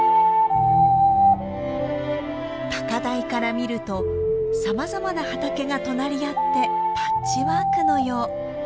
高台から見るとさまざまな畑が隣り合ってパッチワークのよう。